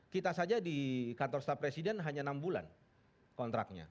kita saja di kantor staf presiden hanya enam bulan kontraknya